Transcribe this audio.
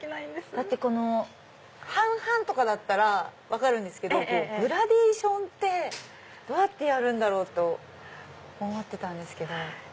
だって半々とかだったら分かるんですけどグラデーションってどうやってやるんだろう？と思ったんです。